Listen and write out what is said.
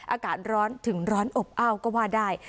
อากาศร้อนถึงร้อนอบอ้าวก็ว่าได้